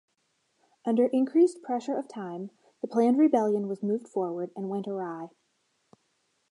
Under increased pressure of time, the planned rebellion was moved forward and went awry.